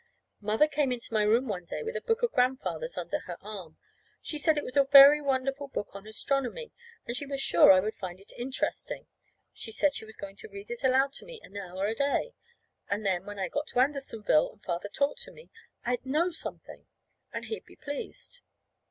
Mother came into my room one day with a book of Grandfather's under her arm. She said it was a very wonderful work on astronomy, and she was sure I would find it interesting. She said she was going to read it aloud to me an hour a day. And then, when I got to Andersonville and Father talked to me, I'd know something. And he'd be pleased.